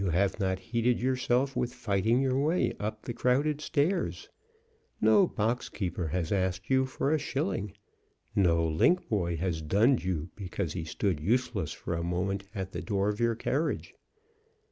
You have not heated yourself with fighting your way up crowded stairs; no box keeper has asked you for a shilling. No link boy has dunned you because he stood useless for a moment at the door of your carriage.